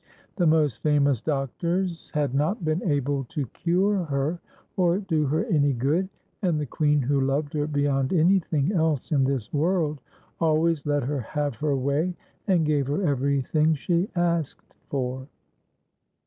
The most famous doctors had not been able to cure her, or do her any good, and the Queen, who loved her beyond anything else in this world, always let her have her way, and gave her ever\'thing she asked for.